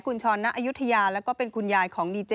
คุณช้อนนาอยุธยาและก็เป็นคุณยายของ